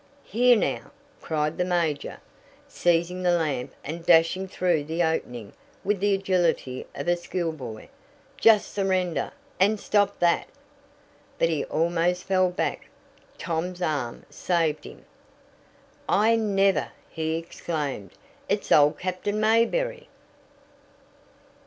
"Here, now!" cried the major, seizing the lamp and dashing through the opening with the agility of a schoolboy. "Just surrender, and stop that!" But he almost fell back Tom's arm saved him. "I never!" he exclaimed. "It's old Captain Mayberry!"